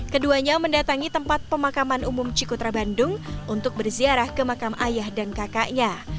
keduanya mendatangi tempat pemakaman umum cikutra bandung untuk berziarah ke makam ayah dan kakaknya